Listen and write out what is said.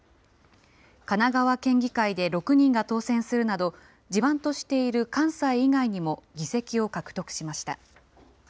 神奈川県議会で６人が当選するなど、地盤としている関西以外にも議席を獲得しました。